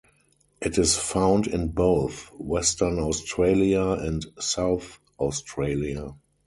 It is found in both Western Australia and South Australia.